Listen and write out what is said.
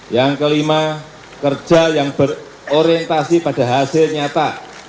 yang kelima kerja yang berorientasi pada hasil nyata